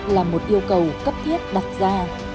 là một yêu cầu cấp thiết đặt ra